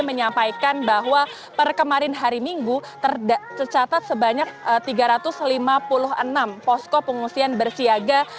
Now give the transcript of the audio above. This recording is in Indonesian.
menyampaikan bahwa per kemarin hari minggu tercatat sebanyak tiga ratus lima puluh enam posko pengungsian bersiaga